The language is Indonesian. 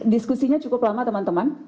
diskusinya cukup lama teman teman